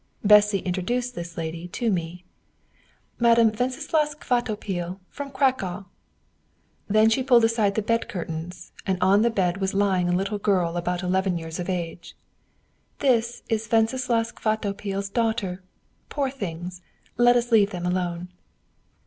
Bessy introduced this lady to me. "Madame Wenceslaus Kvatopil, from Cracow." Then she pulled aside the bed curtains, and on the bed was lying a little girl about eleven years of age. "This is Wenceslaus Kvatopil's daughter. Poor things! let us leave them alone!"